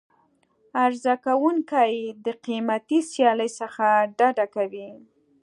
عرضه کوونکي د قیمتي سیالۍ څخه ډډه کوي.